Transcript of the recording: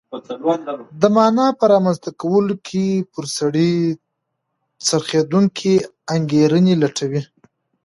د مانا په رامنځته کولو کې پر سړي څرخېدونکې انګېرنې لټوي.